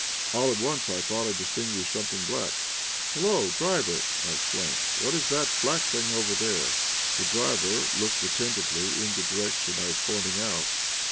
All at once I thought I distinguished something black. "Hullo, driver!" I exclaimed, "what is that black thing over there?" The driver looked attentively in the direction I was pointing out.